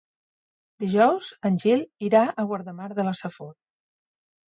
Dijous en Gil irà a Guardamar de la Safor.